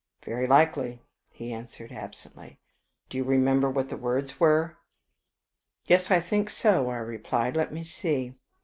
"Very likely," he answered, absently. "Do you remember what the words were?" "Yes, I think so," I replied. "Let me see."